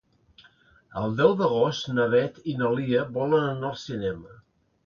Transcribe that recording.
El deu d'agost na Beth i na Lia volen anar al cinema.